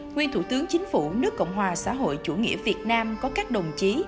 nguyên thủ tướng chính phủ nước cộng hòa xã hội chủ nghĩa việt nam có các đồng chí